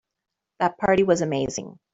That party was amazing.